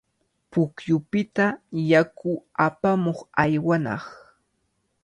Pukyupita yaku apamuq aywanaq.